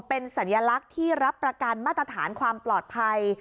เป็นสัญลักษณ์ที่รับประกันมาตรฐานความปลอดภัย